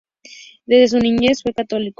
Desde su niñez fue católico.